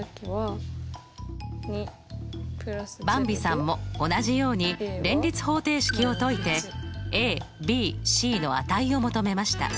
ばんびさんも同じように連立方程式を解いてｂｃの値を求めました。